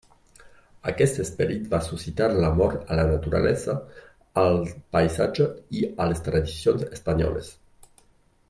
Aquest esperit va suscitar l’amor a la naturalesa, al paisatge i a les tradicions espanyoles.